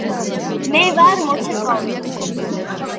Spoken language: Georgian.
მე ვარ მოცეკვავე.